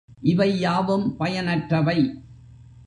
இவை யாவும் பயனற்றவை.